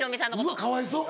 うわかわいそう。